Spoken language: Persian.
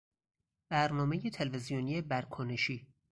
برنامهی تلویزیونی برکنشی